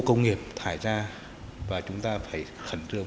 công nghiệp thải ra và chúng ta phải khẩn trương